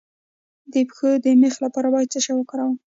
د پښو د میخ لپاره باید څه شی وکاروم؟